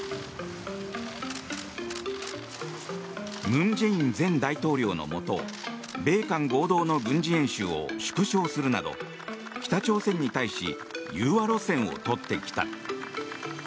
文在寅前大統領のもと米韓合同の軍事演習を縮小するなど、北朝鮮に対し融和路線を取ってきた。